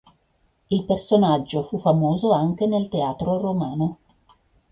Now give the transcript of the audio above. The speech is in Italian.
Il personaggio fu famoso anche nel teatro romano.